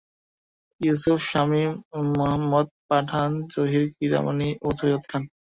ইউসুফ শামি, মোহাম্মদ পাঠান, জহির কিরমানি ও সৈয়দ খান।